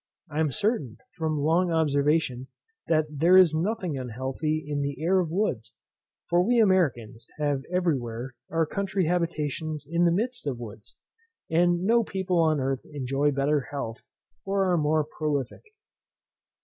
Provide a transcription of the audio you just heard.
I am certain, from long observation, that there is nothing unhealthy in the air of woods; for we Americans have every where our country habitations in the midst of woods, and no people on earth enjoy better health, or are more prolific."